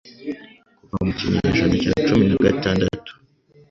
Kuva mu kinyejana cya cumi na gatandatu